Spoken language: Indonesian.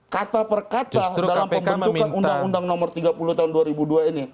kata per kata dalam pembentukan undang undang nomor tiga puluh tahun dua ribu dua ini